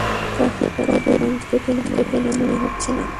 কফিটা তো দোকান থেকে কেনা মনে হচ্ছে না!